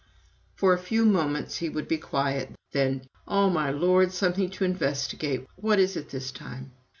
For a few moments he would be quiet. Then, "O my Lord, something to investigate! What is it this time?"